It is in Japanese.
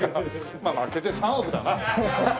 まけて３億だな。